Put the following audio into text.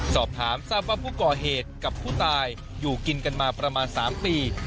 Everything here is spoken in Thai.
สอบถามทราบว่าผู้ก่อเหตุกับผู้ตายอยู่กินกันมาประมาณ๓ปี